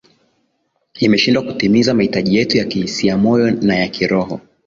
imeshindwa kutimiza mahitaji yetu ya kihisiamoyo na ya kiroho